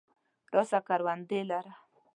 راسه کروندې له.